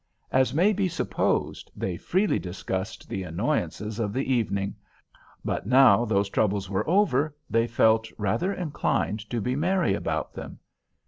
As may be supposed, they freely discussed the annoyances of the evening; but now those troubles were over they felt rather inclined to be merry about them.